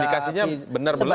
indikasinya benar belum atau tidak